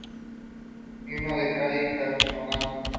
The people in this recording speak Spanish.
Himno del Krai de Krasnodar